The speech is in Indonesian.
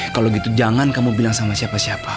kalau gitu jangan kamu bilang sama siapa siapa